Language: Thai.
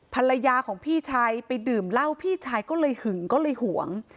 ภรรยาของพี่ชายไปดื่มเหล้าพี่ชายก็เลยหึงก็เลยห่วง